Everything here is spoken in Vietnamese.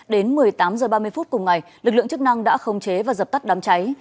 đến một mươi tám h ba mươi phút cùng ngày lực lượng chức năng đã khống chế và dập tắt đám cháy